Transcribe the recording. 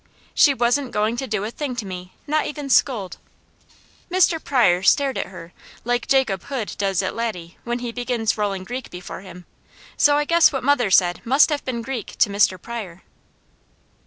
She wasn't going to do a thing to me, not even scold! Mr. Pryor stared at her like Jacob Hood does at Laddie when he begins rolling Greek before him, so I guess what mother said must have been Greek to Mr. Pryor.